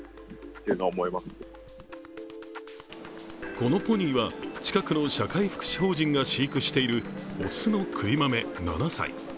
このポニーは近くの社会福祉法人が飼育している雄のくりまめ、７歳。